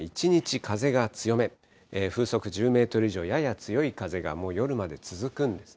風速１０メートル以上、やや強い風が、もう夜まで続くんですね。